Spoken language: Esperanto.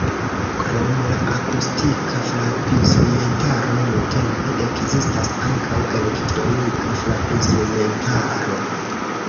Krom la akustika frapinstrumentaro nuntempe ekzistas ankaŭ elektronika frapinstrumentaro.